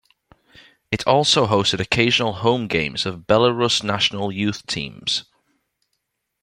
It also hosted occasional home games of Belarus national youth teams.